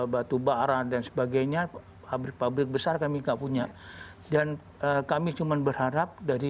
batu bara dan sebagainya pabrik pabrik besar kami enggak punya dan kami cuman berharap dari